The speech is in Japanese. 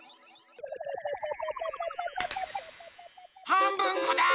はんぶんこだ！